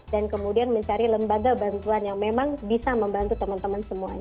dan kemudian mencari lembaga bantuan yang memang bisa membantu teman teman semuanya